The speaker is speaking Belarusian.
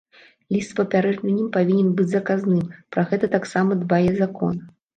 Ліст з папярэджаннем павінен быць заказным, пра гэта таксама дбае закон.